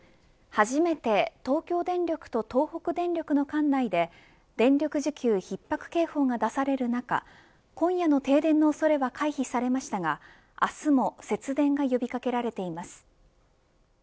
初めて東京電力と東北電力の管内で電力需給ひっ迫警報が出される中今夜の停電の恐れは回避されましたが明日も節電が呼び掛けられています。